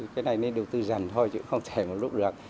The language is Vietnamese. cái này nên đầu tư dần thôi chứ không thể một lúc được